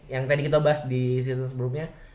yang tadi kita bahas di situ sebelumnya